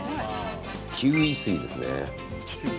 キウイ水ですね。